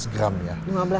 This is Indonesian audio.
lima belas gram ya